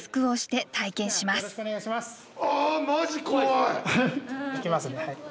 いきますね。